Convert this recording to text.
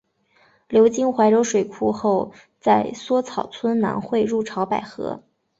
流经怀柔水库后在梭草村南汇入潮白河。